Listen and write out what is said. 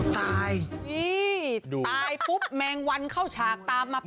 ตายนี่ตายปุ๊บแมงวันเข้าฉากตามมาปั๊บเลย